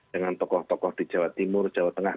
dengan tokoh tokoh di jawa timur jawa tengah